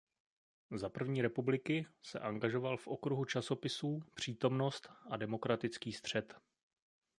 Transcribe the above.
Za první republiky se angažoval v okruhu časopisů "Přítomnost" a "Demokratický střed".